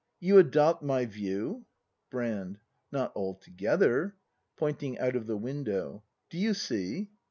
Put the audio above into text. You adopt my view ? Brand. Not altogether. [Pointing out of the ivindow.] Do you see